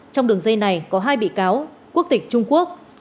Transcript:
trong đường dây này có hai bị cáo quốc tịch trung quốc